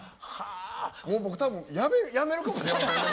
僕多分やめるかもしれませんね